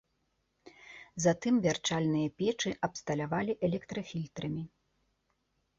Затым вярчальныя печы абсталявалі электрафільтрамі.